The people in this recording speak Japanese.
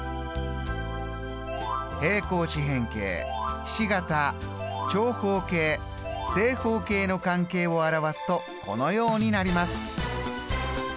平行四辺形ひし形長方形正方形の関係を表すとこのようになります。